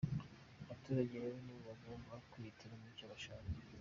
Abaturage rero nibo bagomba kwihitiramo icyo bashaka”.